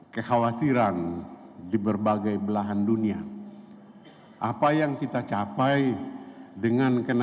ketua bursa efek